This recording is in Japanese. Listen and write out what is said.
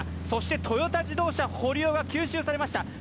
そしてトヨタ自動車、堀尾が吸収されました。